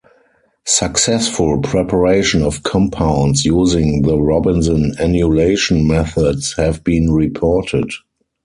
Successful preparation of compounds using the Robinson annulation methods have been reported.